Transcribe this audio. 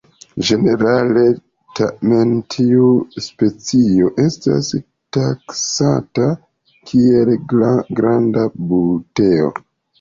Ĝenerale tamen tiu specio estas taksata kiel granda "Buteo".